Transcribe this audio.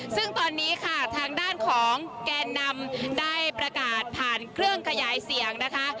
ซึ่งตอนนี้ค่ะทางด้านของแกนนำได้ประกาศผ่านเครื่องขยายเสียงนะคะ